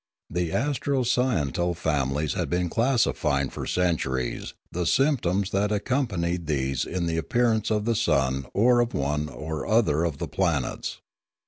The astro sciential families had been classifying for centuries the symptoms that accompanied these in the appearance of the sun or of one or other of the planets.